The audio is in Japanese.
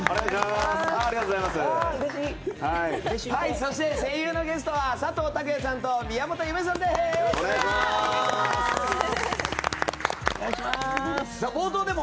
そして、声優のゲストは佐藤拓也さんと宮本侑芽さんです。